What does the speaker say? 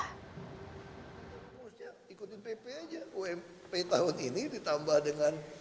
harusnya ikutin pp aja ump tahun ini ditambah dengan